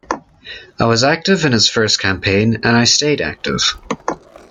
I was active in his first campaign, and I stayed active.